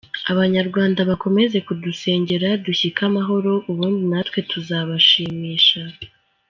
Abanyarwanda bakomeze kudusengera dushyike amahoro ubundi natwe tuzabashimisha.